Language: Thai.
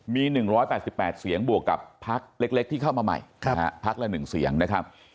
มี๑๘๘เสียงบวกกับพักเล็กที่เข้ามาใหม่พักละ๑เสียงนะครับ